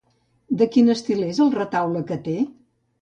De quin estil és el retaule que té?